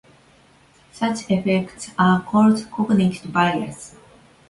Such effects are called "cognitive biases".